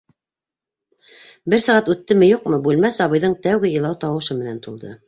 Бер сәғәт үттеме-юҡмы - бүлмә сабыйҙың тәүге илау тауышы менән тулды.